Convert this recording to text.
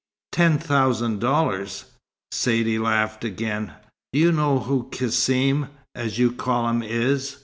"Ten thousand dollars!" Saidee laughed again. "Do you know who Cassim as you call him is?"